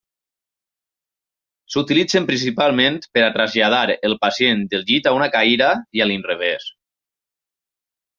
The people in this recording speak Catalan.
S'utilitzen principalment per a traslladar el pacient del llit a una cadira i a l'inrevés.